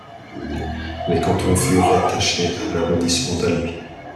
Les cantons furent rattachés à l'arrondissement d'Albi.